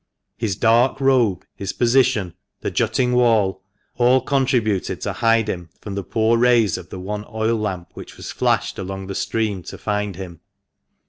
His dark robe, his position, the jutting wall — all contributed to hide him from the poor rays of the one oil lamp which was flashed along the stream to find him.